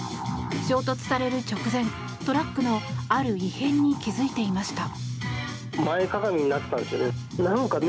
衝突される直前、トラックのある異変に気付いていました。